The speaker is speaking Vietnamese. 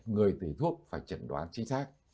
người tùy thuốc phải chẩn đoán chính xác